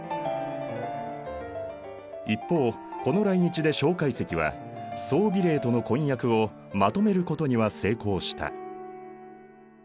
一方この来日で介石は宋美齢との婚約をまとめることには成功した。